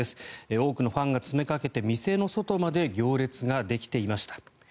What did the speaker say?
多くのファンが詰めかけて店の外まで行列ができていました。